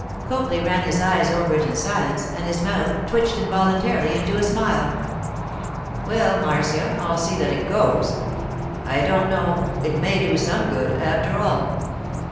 Copley ran his eyes over it in silence, and his mouth twitched involuntarily into a smile. 'Well, Marcia, I'll see that it goes. I don't know—it may do some good, after all.